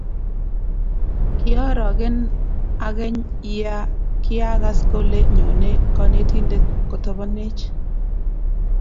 Kiaoroken akeny ya kiagas kole nyone konetindet kotobwnech